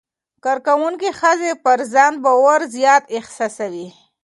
کارکوونکې ښځې پر ځان باور زیات احساسوي.